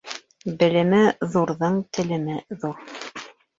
Белеме ҙурҙың телеме ҙур.